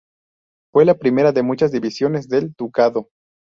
Fue la primera de muchas divisiones del ducado.